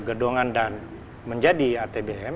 gedongan dan menjadi atbm